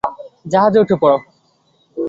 জাহাজে উঠে পড়ো।